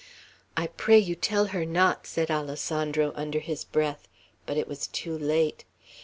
"I pray you tell her not," said Alessandro, under his breath; but it was too late.